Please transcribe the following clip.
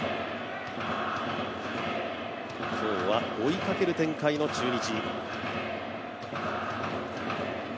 今日は追いかける展開の中日。